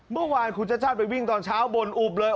เมื่อวานคุณชาติชาติไปวิ่งตอนเช้าบ่นอุบเลย